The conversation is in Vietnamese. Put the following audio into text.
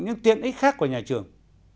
những tiện ích khác của nhà trường